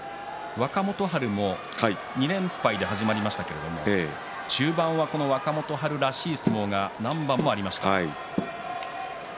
若元春も２連敗で始まりましたが中盤は若元春らしい相撲が何番もありました。